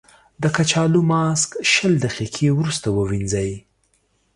د کچالو ماسک شل دقیقې وروسته ووينځئ.